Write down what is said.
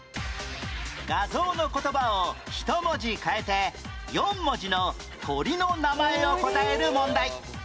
画像の言葉を１文字替えて４文字の鳥の名前を答える問題